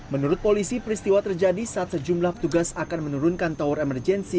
menurut polisi peristiwa terjadi saat sejumlah petugas akan menurunkan tower emergency